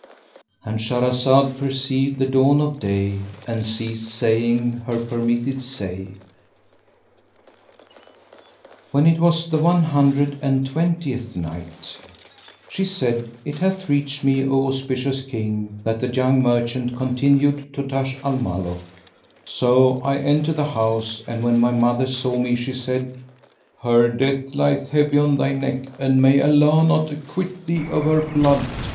"—And Shahrazad perceived the dawn of day and ceased saying her permitted say. When it was the One Hundred and Twentieth Night, She said, It hath reached me, O auspicious King, that the young merchant continued to Taj al Muluk: "So I entered the house and when my mother saw me she said, "Her death lieth heavy on thy neck and may Allah not acquit thee of her blood!